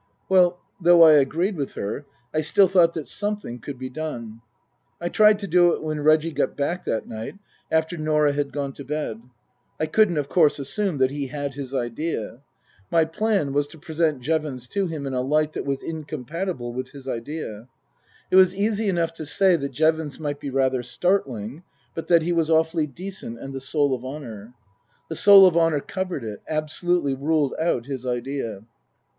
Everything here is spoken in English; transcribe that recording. Well, though I agreed with her, I still thought that something could be done. I tried to do it when Reggie got back that night after Norah had gone to bed. I couldn't of course assume that he had his idea. My plan was to present Jevons to him in a light that was in compatible with his idea. It was easy enough to say that Jevons might be rather startling, but that he was awfully decent and the soul of honour. The soul of honour covered it absolutely ruled out his idea.